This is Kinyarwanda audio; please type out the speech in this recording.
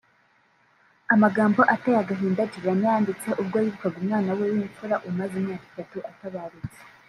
Amagambo ateye agahinda Juliana yanditse ubwo yibukaga umwana we w'imfura umaze imyaka itatu atabarutse